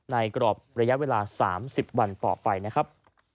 กรอบระยะเวลา๓๐วันต่อไปนะครับ